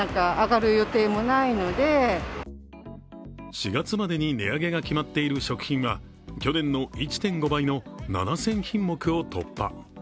４月までに値上げが決まっている食品は、去年の１．５倍の７０００品目を突破。